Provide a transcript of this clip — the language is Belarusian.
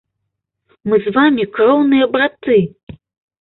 Мы з вамі кроўныя браты.